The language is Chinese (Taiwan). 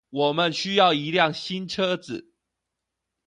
我們需要一輛新車子